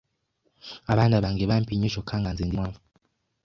Abaana bange bampi nnyo kyokka nga nze ndi muwanvu.